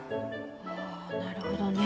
あなるほどね。